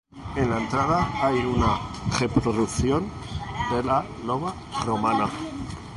En la entrada hay una reproducción de la loba romana.